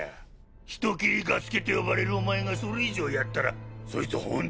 「人斬り我介」と呼ばれるお前がそれ以上やったらそいつホントに死んじまう。